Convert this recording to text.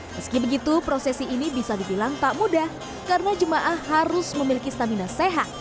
meski begitu prosesi ini bisa dibilang tak mudah karena jemaah harus memiliki stamina sehat